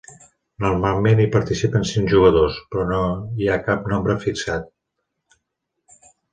Normalment hi participen cinc jugadors, però no hi ha cap nombre fixat.